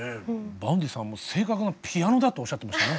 Ｖａｕｎｄｙさんも正確なピアノだとおっしゃってましたね。